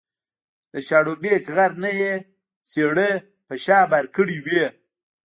د شاړوبېک غر نه یې څېړۍ په شا بار کړې وې